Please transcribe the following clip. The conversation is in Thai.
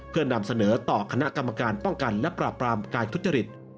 เพื่อนำเสนอต่อคณะกรรมการป้องกันและปราบปรามการทุจริต